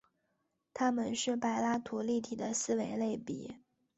它们是柏拉图立体的四维类比。